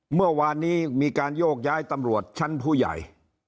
เมื่อวานนี้มีการโยกย้ายตำรวจชั้นผู้ใหญ่